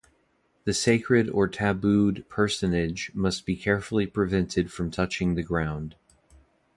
The sacred or tabooed personage must be carefully prevented from touching the ground.